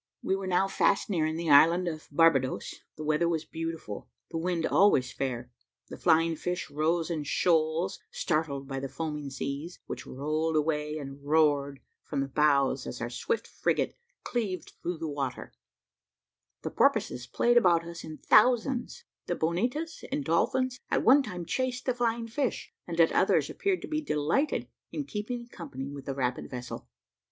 We were now fast nearing the island of Barbadoes, the weather was beautiful, the wind always fair; the flying fish rose in shoals, startled by the foaming seas, which rolled away, and roared from the bows as our swift frigate cleaved through the water; the porpoises played about us in thousands the bonetas and dolphins at one time chased the flying fish, and, at others, appeared to be delighted in keeping company with the rapid vessel.